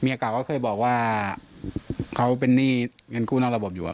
เก่าก็เคยบอกว่าเขาเป็นหนี้เงินกู้นอกระบบอยู่